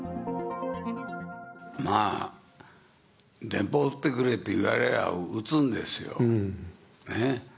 まあ、電報打ってくれって言われりゃ打つんですよ。ね。